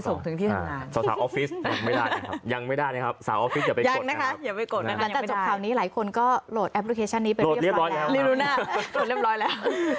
สาวออฟฟิศอย่าไปกดนะคะหลังจากจบคราวนี้หลายคนก็โหลดแอปพลิเคชันนี้เรียบร้อยแล้ว